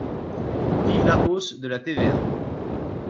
Vive la hausse de la TVA